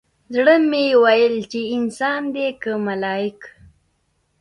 زړه مې ويل چې دى انسان دى که ملايک.